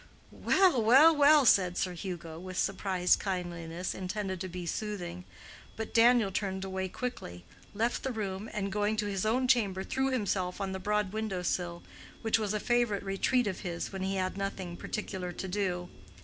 "Well, well, well!" said Sir Hugo, with surprised kindliness intended to be soothing. But Daniel turned away quickly, left the room, and going to his own chamber threw himself on the broad window sill, which was a favorite retreat of his when he had nothing particular to do.